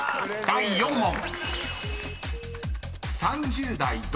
［第４問］